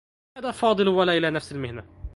لدى فاضل و ليلى نفس المهنة.